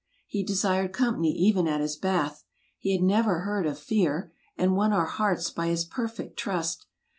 He desired company even at his bath; he had never heard of fear, and won our hearts by his perfect trust.